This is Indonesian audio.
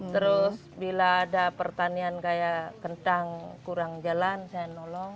terus bila ada pertanian kayak kentang kurang jalan saya nolong